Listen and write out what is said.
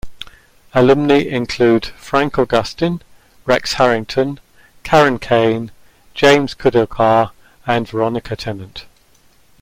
Alumni include Frank Augustyn, Rex Harrington, Karen Kain, James Kudelka and Veronica Tennant.